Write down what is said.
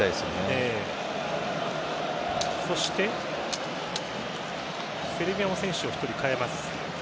そして、セルビアも選手を１人代えます。